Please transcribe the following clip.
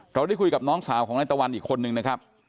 เราได้คุยกับน้องสาวของนายตะวันอีกคนนึงนะครับ